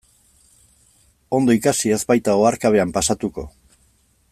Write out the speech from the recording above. Ondo ikasi, ez baita oharkabean pasatuko.